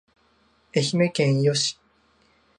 愛媛県伊予市